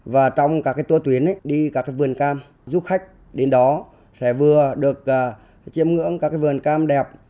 và trong các tour tuyến đi các vườn cam du khách đến đó sẽ vừa được chiêm ngưỡng các vườn cam đẹp